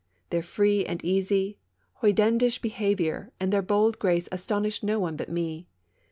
Their free and easy, hoydenish behavior and their bold grace astonished no one but me.